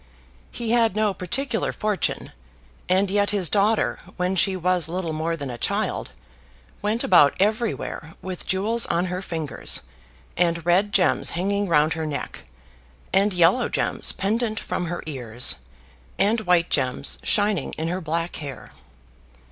He had no particular fortune, and yet his daughter, when she was little more than a child, went about everywhere with jewels on her fingers, and red gems hanging round her neck, and yellow gems pendent from her ears, and white gems shining in her black hair.